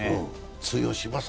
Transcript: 通用しますか？